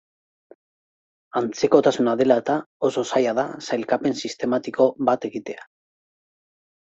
Antzekotasuna dela eta oso zaila da sailkapen sistematiko bat egitea.